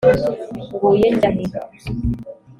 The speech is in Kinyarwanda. nguye njya he?